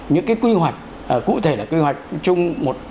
những cái quy hoạch cụ thể là quy hoạch chung một hai năm chín